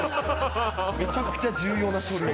めちゃくちゃ重要な書類。